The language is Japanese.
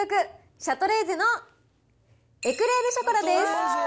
シャトレーゼのエクレール・ショコラです。